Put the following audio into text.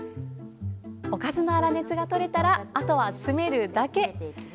おかずの粗熱がとれたらあとは詰めるだけ。